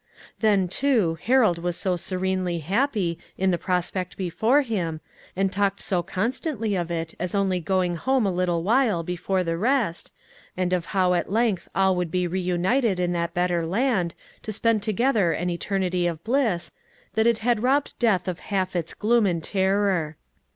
Then, too, Harold was so serenely happy in the prospect before him, and talked so constantly of it as only going home a little while before the rest, and of how at length all would be reunited in that better land, to spend together an eternity of bliss, that it had robbed death of half its gloom and terror.